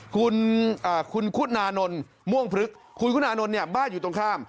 คุณคุณานนท์ม่วงพลึกคุณคุณานนท์เนี่ยบ้านอยู่ตรงข้าม